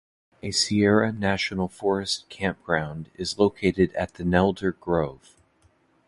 A Sierra National Forest campground is located at the Nelder Grove.